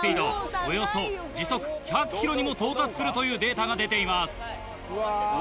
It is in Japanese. およそ時速１００ｋｍにも到達するというデータが出ています。